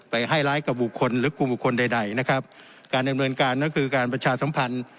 ให้ร้ายกับบุคคลหรือกลุ่มบุคคลใดใดนะครับการดำเนินการก็คือการประชาสัมพันธ์